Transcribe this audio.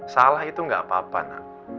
salah itu gak apa apa nak